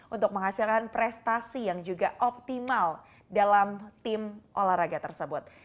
untuk menghasilkan prestasi yang juga optimal dalam tim olahraga tersebut